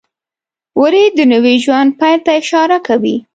وری د نوي ژوند پیل ته اشاره کوي.